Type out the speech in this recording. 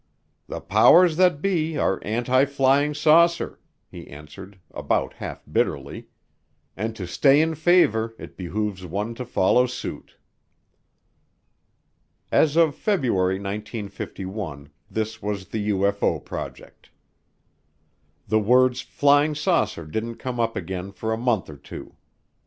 "The powers that be are anti flying saucer," he answered about half bitterly, "and to stay in favor it behooves one to follow suit." As of February 1951 this was the UFO project. The words "flying saucer" didn't come up again for a month or two.